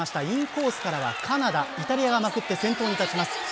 インコースからはカナダイタリアが先頭に立ちます。